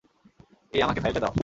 এই আমাকে ফাইলটা দাও।